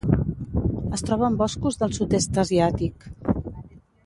Es troba en boscos del sud-est asiàtic.